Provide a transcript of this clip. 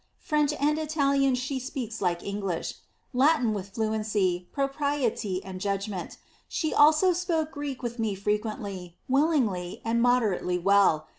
French and Italian she speaks like English ; Latin with fluency, propriety, and judgment. She also spoke Greek with me fre quently, willingly and moderately well.